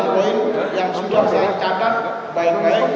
poin yang sudah saya catat baik baik